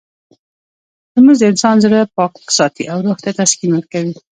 لمونځ د انسان زړه پاک ساتي او روح ته تسکین ورکوي.